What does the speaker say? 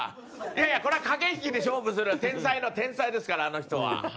これは駆け引きで勝負する天才の天才ですから、あの人は。